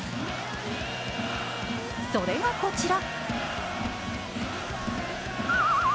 それがこちら。